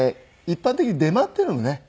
一般的に出回っているのね。